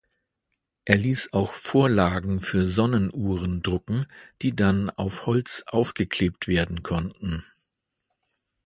Er ließ auch Vorlagen für Sonnenuhren drucken, die dann auf Holz aufgeklebt werden konnten.